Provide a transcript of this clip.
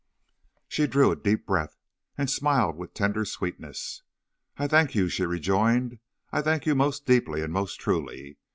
"She drew a deep breath, and smiled with tender sweetness. "'I thank you,' she rejoined. 'I thank you most deeply and most truly.